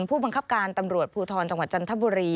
ผู้บังคับการตำรวจภูทรจังหวัดจันทบุรี